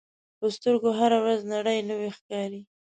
په سترګو هره ورځ نړۍ نوې ښکاري